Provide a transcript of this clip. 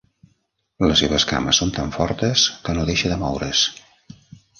Les seves cames són tan fortes que no deixa de moure's.